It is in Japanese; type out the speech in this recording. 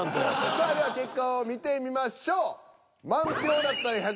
さあでは結果を見てみましょう。